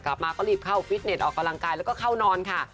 กลับมาก็รีบเข้าฟิตเน็ตออกกำลังกายแล้วก็เข้านอนค่ะ